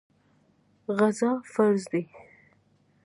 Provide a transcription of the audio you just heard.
غزا فرض ده.